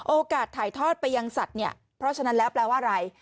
โอกาสถ่ายทอดไปยังสัตว์เนี่ยเพราะฉะนั้นแล้วแปลว่าอะไร